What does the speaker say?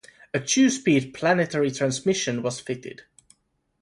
A two-speed planetary transmission was fitted.